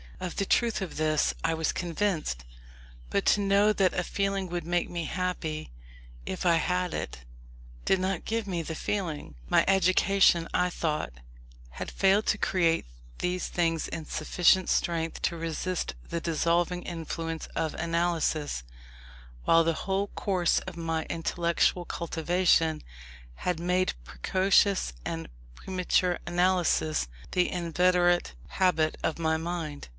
Of the truth of this I was convinced, but to know that a feeling would make me happy if I had it, did not give me the feeling. My education, I thought, had failed to create these feelings in sufficient strength to resist the dissolving influence of analysis, while the whole course of my intellectual cultivation had made precocious and premature analysis the inveterate habit of my mind.